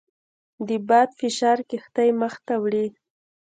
د باد فشار کښتۍ مخ ته وړي.